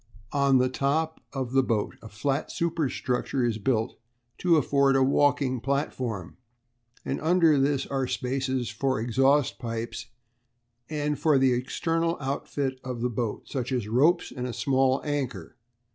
On the top of the boat a flat superstructure is built to afford a walking platform, and under this are spaces for exhaust pipes and for the external outfit of the boat, such as ropes and a small anchor.